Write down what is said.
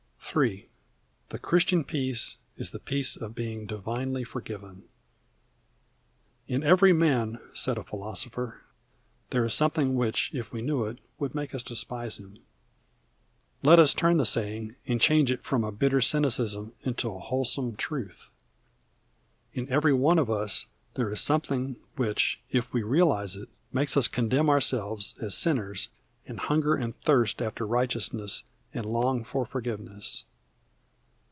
III. The Christian peace is the peace of being divinely forgiven. "In every man," said a philosopher, "there is something which, if we knew it, would make us despise him." Let us turn the saying, and change it from a bitter cynicism into a wholesome truth. In every one of us there is something which, if we realize it, makes us condemn ourselves as sinners, and hunger and thirst after righteousness, and long for forgiveness.